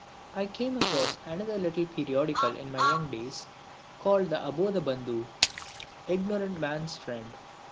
I came across another little periodical in my young days called the Abodhabandhu (ignorant man's friend).